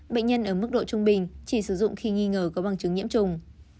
bệnh nhân ở mức độ trung bình chỉ sử dụng khi nghi ngờ có bằng chứng nhiễm trùng